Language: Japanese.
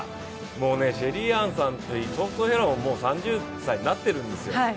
もうね、シェリーアンさんといいトンプソン・ヘラも３０歳になってるんですよ